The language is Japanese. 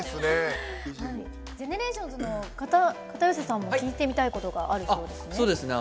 ＧＥＮＥＲＡＴＩＯＮＳの片寄さんも聞いてみたいことがあるそうですね。